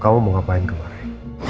dia mulai mencont rebuilding